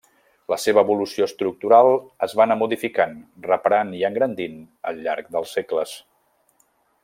La seva evolució estructural es va anar modificant, reparant i engrandint al llarg dels segles.